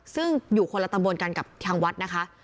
ซึ่งอยู่คนละตำบลกันกับทางวัดนะคะ